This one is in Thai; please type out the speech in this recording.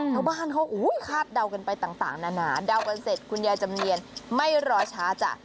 ชาวบ้านเขาคาดเดากันไปต่างนานาเดากันเสร็จคุณยายจำเนียนไม่รอช้าจ้ะ